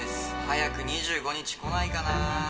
早く２５日来ないかな」。